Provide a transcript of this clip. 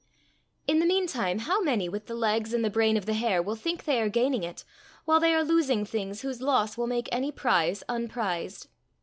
In the mean time how many, with the legs and the brain of the hare, will think they are gaining it, while they are losing things whose loss will make any prize unprized!